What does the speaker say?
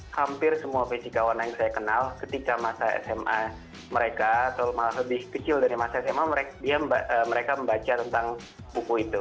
hampir semua fisikawan yang saya kenal ketika masa sma mereka atau malah lebih kecil dari masa sma mereka membaca tentang buku itu